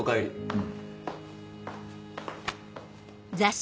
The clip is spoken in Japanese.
うん。